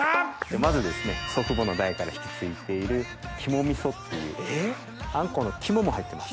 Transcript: まずですね祖父母の代から引き継いでいる肝味噌っていうあんこうの肝も入ってます。